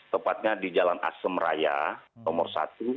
tepatnya di jalan asem raya nomor satu